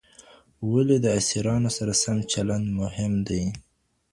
ولي د اسیرانو سره سم چلند مهم دی؟